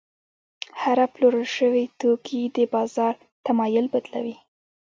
هره پلورل شوې توکي د بازار تمایل بدلوي.